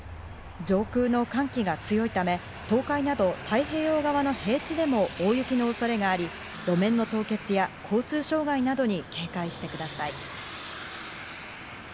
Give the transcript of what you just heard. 上空の寒気が強いため、東海など太平洋側の平地でも大雪の恐れがあり、路面の凍結や交通障害などに警戒してください。